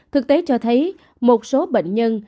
thực tế cho thấy một số bệnh nhân